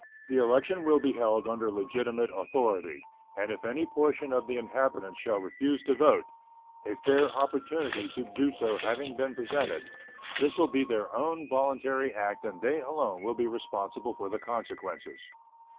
The election will be held under legitimate authority, and if any portion of the inhabitants shall refuse to vote, a fair opportunity to do so having been presented, this will be their own voluntary act and they alone will be responsible for the consequences.